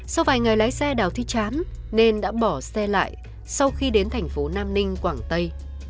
sau vài ngày lái xe đào thị chán nên đã bỏ xe lại sau khi đến thành phố nam ninh quảng tây